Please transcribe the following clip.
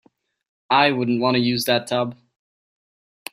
I wouldn't want to use that tub.